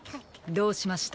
どうしました？